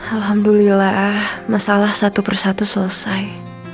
alhamdulillah masalah satu persatu selesai